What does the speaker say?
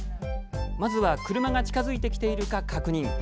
まずは車が近づいてきているか確認。